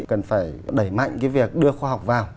cần phải đẩy mạnh cái việc đưa khoa học vào